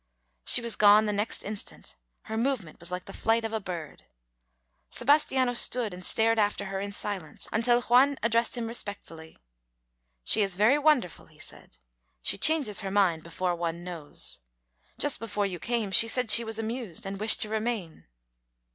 She was gone the next instant her movement was like the flight of a bird. Sebastiano stood and stared after her in silence until Juan addressed him respectfully. "She is very wonderful," he said. "She changes her mind before one knows. Just before you came she said she was amused, and wished to remain."